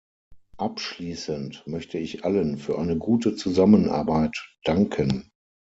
Abschließend möchte ich allen für eine gute Zusammenarbeit danken.